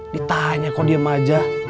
ditanya kok diem aja